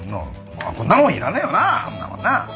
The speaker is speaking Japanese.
こんなもんいらねえよなこんなもんなあ。